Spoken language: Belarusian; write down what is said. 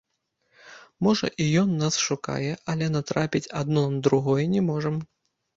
Можа і ён нас шукае, але натрапіць адно на другое не можам.